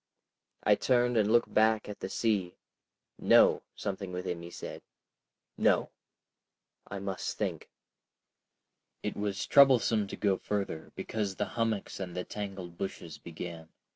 ... I turned and looked back at the sea. No! Something within me said, "No!" I must think. It was troublesome to go further because the hummocks and the tangled bushes began.